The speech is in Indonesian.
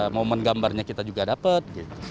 momen gambarnya kita juga dapat